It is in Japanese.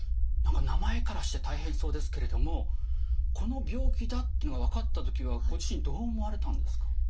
何か名前からして大変そうですけれどもこの病気だっていうのが分かった時はご自身どう思われたんですか？